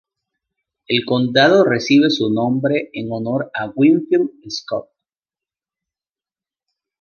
El condado recibe su nombre en honor a Winfield Scott.